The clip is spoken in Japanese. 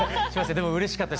でもうれしかった。